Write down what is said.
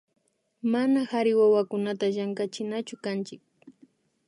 Mana kari wawakunata llankachinachukanchik